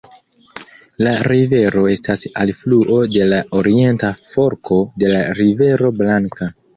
La rivero estas alfluo de la orienta forko de la Rivero Blanka.